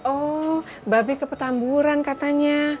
oh mba be ke petamburan katanya